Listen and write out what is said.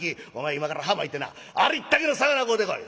今から浜行ってなありったけの魚買うてこい。